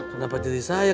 kenapa jadi saya